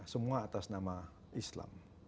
semua atas nama islam